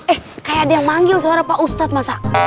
eh kayak ada yang manggil suara pak ustadz masa